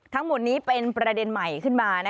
ทั้งหมดนี้เป็นประเด็นใหม่ขึ้นมา